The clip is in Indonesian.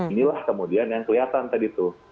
inilah kemudian yang kelihatan tadi tuh